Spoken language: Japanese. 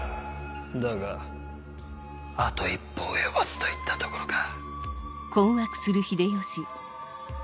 だがあと一歩及ばずといったところか。